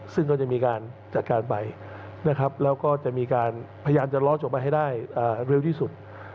ซึ่งก็จะมีการจัดการไปนะครับแล้วก็จะมีการพยายามจะล้อจบไปให้ได้เร็วที่สุด